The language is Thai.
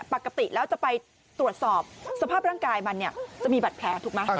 ปกติแล้วจะไปตรวจสอบสภาพร่างกายมันเนี่ยจะมีบัตรแผลถูกไหม